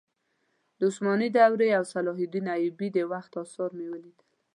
د عثماني دورې او صلاح الدین ایوبي د وخت اثار مې ولیدل.